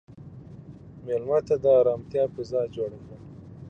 مېلمه ته د ارامتیا فضا جوړ کړه.